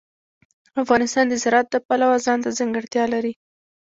افغانستان د زراعت د پلوه ځانته ځانګړتیا لري.